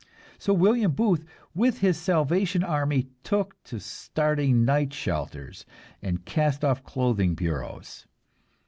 So William Booth with his Salvation Army took to starting night shelters and cast off clothing bureaus!